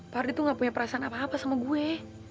pak ardi tuh nggak punya perasaan apa apa sama gue